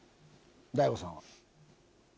大悟さんは？